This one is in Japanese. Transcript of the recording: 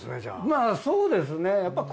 まあそうですね。